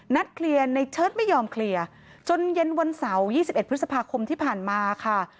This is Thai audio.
เคลียร์ในเชิดไม่ยอมเคลียร์จนเย็นวันเสาร์๒๑พฤษภาคมที่ผ่านมาค่ะ